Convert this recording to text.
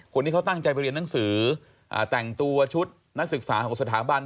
คนที่เขาต้องจัดการเรียนหนังสือแต่งตัวชุดนักศึกษาสถาบัน